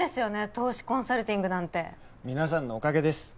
投資コンサルティングなんて皆さんのおかげです